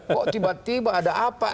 kok tiba tiba ada apa